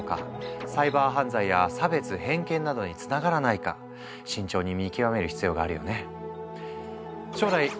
サイバー犯罪や差別・偏見などにつながらないか慎重に見極める必要があるよね。